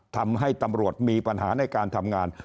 ทำให้ตำรวจมีปัญหาในการทำงาน